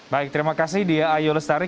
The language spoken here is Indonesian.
baik terima kasih dia ayu lestari